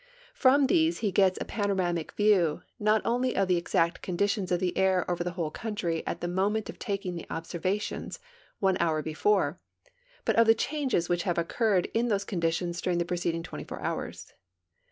From these he gets a panoramic view, not only of the exact conditions of the air over the whole country at the moment of taking the observa tions one hour before, but of the changes which have occurred in those conditions during the preceding 24 hours.